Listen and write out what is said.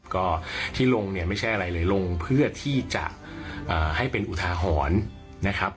ก็ที่ลงเนี่ยไม่ใช่อะไรเลยลงเพื่อที่จะให้เป็นอุทาหรณ์นะครับ